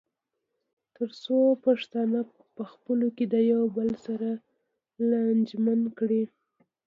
تر څو پښتانه پخپلو کې د یو بل سره لانجمن کړي.